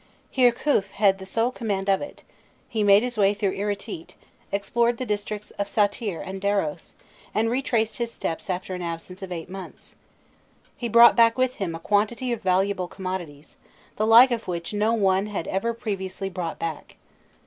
Hirkhûf had the sole command of it; he made his way through Iritît, explored the districts of Satir and Darros, and retraced his steps after an absence of eight months. He brought back with him a quantity of valuable commodities, "the like of which no one had ever previously brought back."